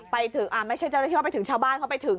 ไม่ใช่จะทำยาวที่เขาไปถึงชาวบ้านเขาไปถึง